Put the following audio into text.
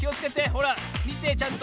ほらみてちゃんと。